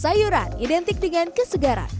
sayuran identik dengan kesegaran